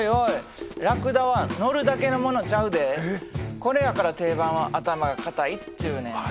これやから定番は頭が固いっちゅうねん。